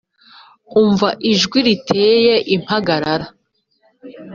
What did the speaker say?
Umva ijwi riteye impagarara.